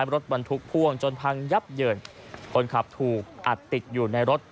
รถบรรทุกพ่วงจนพังยับเยินคนขับถูกอัดติดอยู่ในรถ